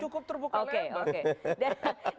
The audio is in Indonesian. cukup terbuka lebar